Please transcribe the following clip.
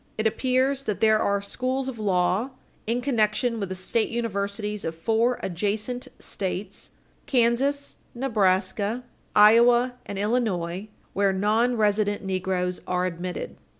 It appears that there are schools of law in connection with the state universities of four adjacent States, Kansas, Nebraska, Iowa and Illinois, where nonresident negroes are admitted.